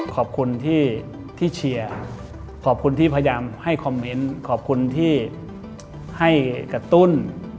ขอบคุณที่เชียร์ขอบคุณที่พยายามให้คอมเมนต์ขอบคุณที่ให้กระตุ้น